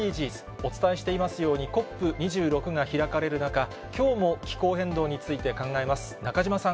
お伝えしていますように、ＣＯＰ２６が開かれる中、きょうも気候変動について考えます。